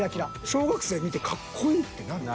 小学生見てカッコいいってなる？